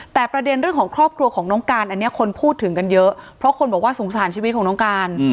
แต่ประเด็นเรื่องของครอบครัวของน้องการอันนี้คนพูดถึงกันเยอะเพราะคนบอกว่าสงสารชีวิตของน้องการ